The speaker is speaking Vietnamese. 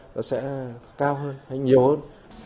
nó sẽ cao hơn hay nhiều hơn